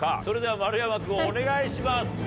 それでは丸山君お願いします。